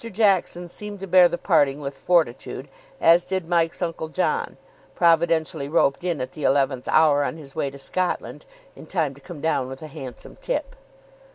Jackson seemed to bear the parting with fortitude, as did Mike's Uncle John (providentially roped in at the eleventh hour on his way to Scotland, in time to come down with a handsome tip).